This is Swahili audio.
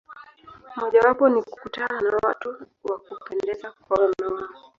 Mojawapo ni kukutana na watu wa kupendeza kwa wema wao.